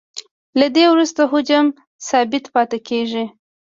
له دې وروسته حجم ثابت پاتې کیږي